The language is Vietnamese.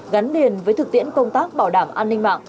gắn liền với thực tiễn công tác bảo đảm an ninh mạng